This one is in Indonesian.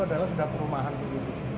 adalah sudah perumahan dulu